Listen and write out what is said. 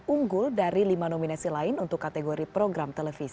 unggul dari lima nominasi lain untuk kategori program televisi